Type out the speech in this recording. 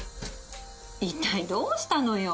一体どうしたのよ？